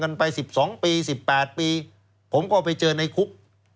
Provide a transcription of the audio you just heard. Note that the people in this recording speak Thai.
กันไปสิบสองปีสิบแปดปีผมก็ไปเจอในคุก